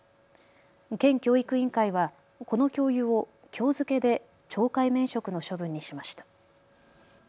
県教育委員会はこの教諭をきょう付けで懲戒免職の処分にしました。